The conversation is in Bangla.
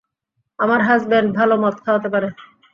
আমার হাজবেন্ড ভালো মদ খাওয়াতে পারে।